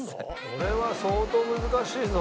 これは相当難しいぞ。